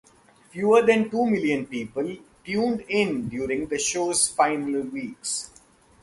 Fewer than two million people tuned in during the show's final weeks.